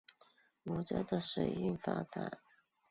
梧州的水运发达。